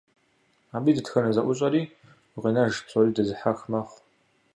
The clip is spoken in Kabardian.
Абы и дэтхэнэ зэӏущӏэри гукъинэж, псори дэзыхьэх мэхъу.